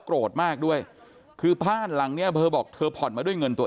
โกรธมากด้วยคือบ้านหลังเนี้ยเธอบอกเธอผ่อนมาด้วยเงินตัว